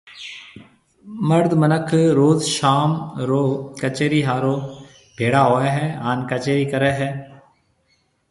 مرد منک روز شام رو ڪچيري ھارو ڀيݪا ھوئيَ ھيََََ ھان ڪچيرِي ڪرَي ھيََََ